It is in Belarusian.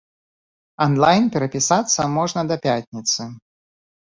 Анлайн перапісацца можна да да пятніцы.